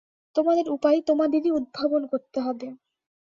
তোমাদের উপায় তোমাদেরই উদ্ভাবন করতে হবে।